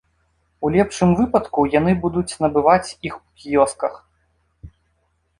У лепшым выпадку яны будуць набываць іх у кіёсках.